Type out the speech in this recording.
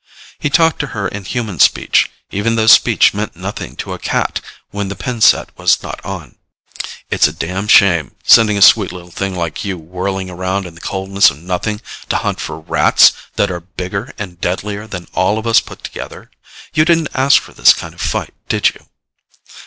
He talked to her in human speech, even though speech meant nothing to a cat when the pin set was not on. "It's a damn shame, sending a sweet little thing like you whirling around in the coldness of nothing to hunt for Rats that are bigger and deadlier than all of us put together. You didn't ask for this kind of fight, did you?"